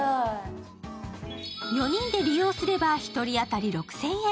４人で利用すれば１人当たり６０００円。